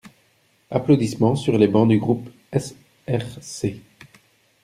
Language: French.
(Applaudissements sur les bancs du groupe SRC).